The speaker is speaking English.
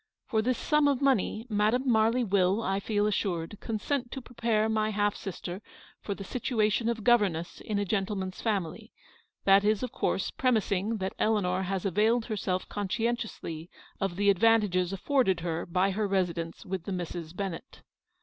For this sum of money Madame Marly will, I feel assured, consent to prepare my half sister for the situation of gover ness in a gentleman's family ; that is, of course, premising that Eleanor has availed herself consci entiously of the advantages afforded her by her residence with the Misses Bennett.